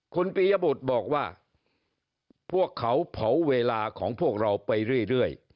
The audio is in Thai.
คุณปียบุตรบอกว่าพวกเขาเผาเวลาของพวกเราไปเรื่อย